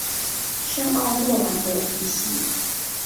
圣奥诺兰德迪西。